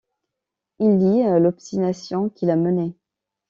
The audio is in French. Il lit l'obstination qui l'a mené.